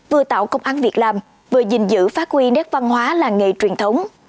vừa tạo công ăn việc làm vừa dình dữ phát huy nét văn hóa làng nghề truyền thống